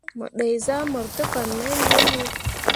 Mo dǝ zahmor te fan mai me lii.